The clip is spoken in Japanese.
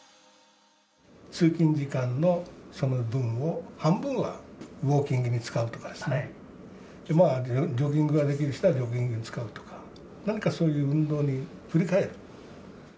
通勤時間のその分を、半分はウォーキングに使うとかですね、まあジョギングができる人はジョギングに使うとか、何かそういう運動に振り替える。